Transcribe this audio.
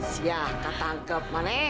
tidak ada yang mau kerah